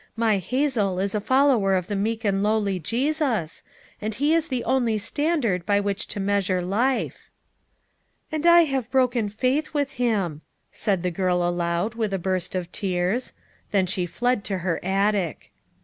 My Hazel is a follower of the meek and lowly Jesus, and he is the only standard by which to measure life." "And I have broken faith with him," said the girl aloud with a burst of tears. Then she fled to her attic.